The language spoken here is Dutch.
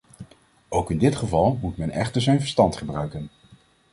Ook in dit geval moet men echter zijn verstand gebruiken.